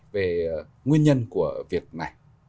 về nguyên nhân của việc này